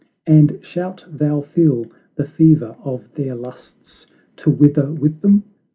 And shalt thou feel the fever of their lusts, To wither with them?